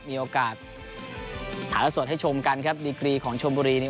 มีโอกาสถ่ายละสดให้ชมกันครับดีกรีของชมบุรีเนี่ย